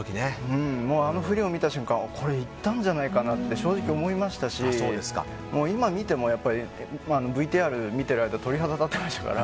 あのフリーを見た時にこれいったんじゃないかなって正直、思いましたし今見てもＶＴＲを見ている間鳥肌立ってましたから。